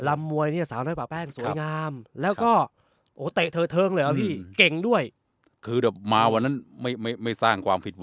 รำมวยเนี่ยสาวน้อยปากแป้งสวยงาม